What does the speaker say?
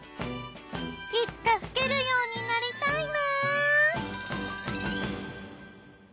いつか吹けるようになりたいな！